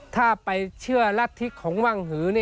ถ้าไปเชื่อรัฐธิของว่างหือ